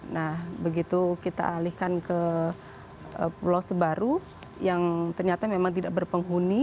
nah begitu kita alihkan ke pulau sebaru yang ternyata memang tidak berpenghuni